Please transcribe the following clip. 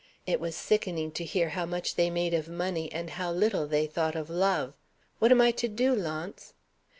It was sickening to hear how much they made of Money, and how little they thought of Love. What am I to do, Launce?"